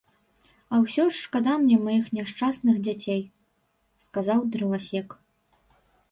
- А ўсё ж шкада мне маіх няшчасных дзяцей! - сказаў дрывасек